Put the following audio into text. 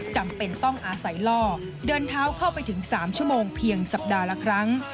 จำเป็นต้องอาศัยล่อเดินเท้าเข้าไปถึง๓ชั่วโมงเพียงสัปดาห์ละครั้ง